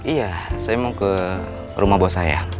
iya saya mau ke rumah buat saya